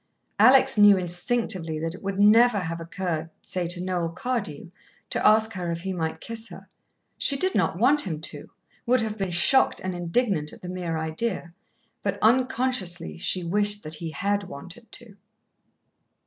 Alex knew instinctively that it would never have occurred, say, to Noel Cardew to ask her if he might kiss her. She did not want him to would have been shocked and indignant at the mere idea but, unconsciously, she wished that he had wanted to.